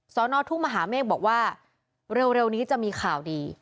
สอนอทุ่งมหาเมฆบอกว่าเร็วนี้จะมีข่าวดี